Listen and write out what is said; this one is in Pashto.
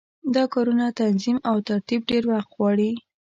دا کارونه تنظیم او ترتیب ډېر وخت غواړي.